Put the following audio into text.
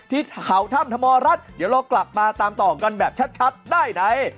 ที่เขาถ้ำธรรมรัฐเดี๋ยวเรากลับมาตามต่อกันแบบชัดได้ใน